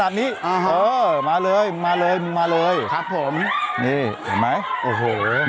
อันนี้อีกมุมนึงนะครับ